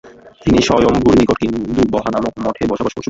তিনি স্বয়ম্ভুর নিকট কিন্দু বহা নামক মঠে বসবাস শুরু করেন।